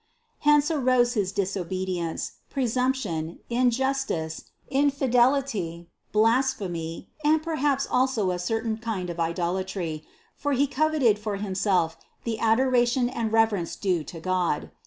86. Hence arose his disobedience, presumption, injus 88 CITY OF GOD tice, infidelity, blasphemy, and perhaps also a certain kind of idolatry, for he coveted for himself the adora tion and reverence due to God.